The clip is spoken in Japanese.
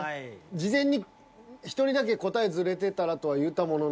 事前に１人だけ答えズレてたらとは言ったものの。